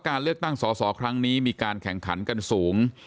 การเลือกตั้งสอสอครั้งนี้มีการแข่งขันกันสูง